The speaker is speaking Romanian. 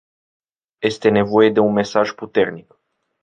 Este nevoie de un mesaj puternic.